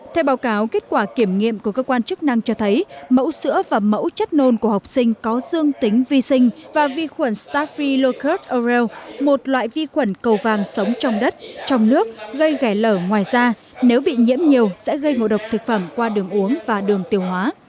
theo báo cáo kết quả kiểm nghiệm của cơ quan chức năng cho thấy mẫu sữa và mẫu chất nôn của học sinh có dương tính vi sinh và vi khuẩn startphi locus oreal một loại vi khuẩn cầu vàng sống trong đất trong nước gây ghé lở ngoài da nếu bị nhiễm nhiều sẽ gây ngộ độc thực phẩm qua đường uống và đường tiêu hóa